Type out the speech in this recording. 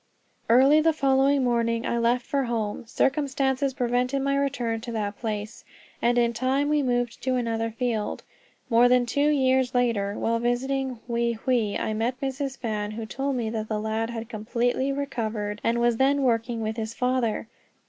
Early the following morning I left for home. Circumstances prevented my return to that place, and in time we moved to another field. More than two years later, while visiting Wei Hwei, I met Mrs. Fan, who told me that the lad had completely recovered and was then working with his father.